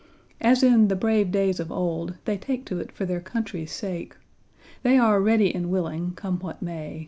As in "the brave days of old," they take to it for their country's sake. They are ready and willing, come what may.